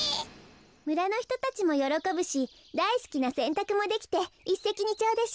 むらのひとたちもよろこぶしだいすきなせんたくもできていっせきにちょうでしょ？